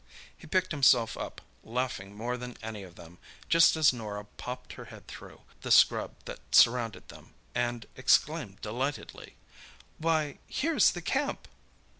He picked himself up, laughing more than any of them, just as Norah popped her head through the scrub that surrounded them, and exclaimed delightedly—. "Why, here's the camp."